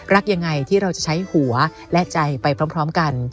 รักยังไงที่เราจะใช้หัวและใจไปพร้อมกัน